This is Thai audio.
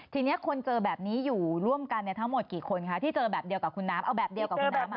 ทีนี้คนเจอแบบนี้อยู่ร่วมกันทั้งหมดกี่คนคะที่เจอแบบเดียวกับคุณน้ำเอาแบบเดียวกับคุณน้ำ